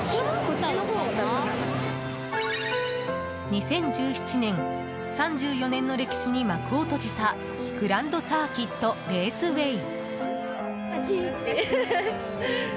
２０１７年３４年の歴史に幕を閉じたグランドサーキット・レースウェイ。